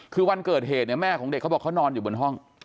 คือวันเกิดเหตุเนี่ยแม่ของเด็กเขาบอกเขานอนอยู่บนห้อง